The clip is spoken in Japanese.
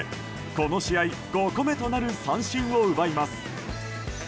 この試合、５個目となる三振を奪います。